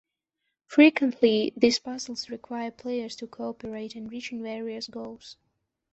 Frequently these puzzles require players to co-operate in reaching various goals.